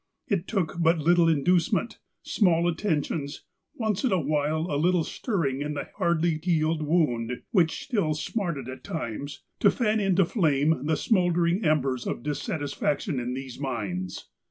It took but little inducement, — small attentions, — once in a while a little stirring in the hardly healed wound, which still smarted at times, to fan into flame the smould ering embers of dissatisfaction in these minds.